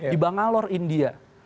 di bangalore india